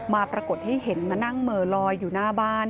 ปรากฏให้เห็นมานั่งเหม่อลอยอยู่หน้าบ้าน